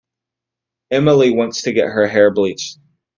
Emily wants to get her hair bleached.